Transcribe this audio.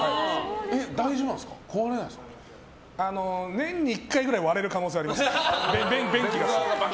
年に１回くらい割れる可能性はあります。